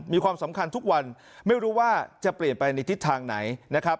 มีความสำคัญทุกวันไม่รู้ว่าจะเปลี่ยนไปในทิศทางไหนนะครับ